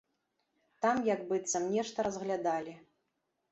Там як быццам нешта разглядалі.